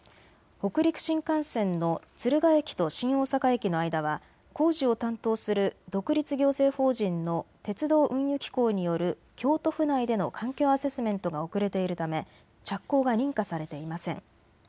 北陸新幹線の敦賀駅と新大阪駅の間は工事を担当する独立行政法人の鉄道・運輸機構による京都府内での環境アセスメントが遅れているため着工が認可されていません。